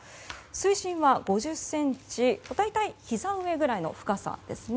水深は５０ｃｍ大体ひざ上ぐらいの深さです。